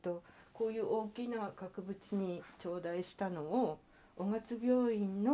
こういう大きな額縁に頂戴したのを雄勝病院のところに飾った。